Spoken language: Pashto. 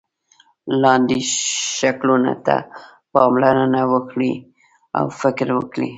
لاندې شکلونو ته پاملرنه وکړئ او فکر وکړئ.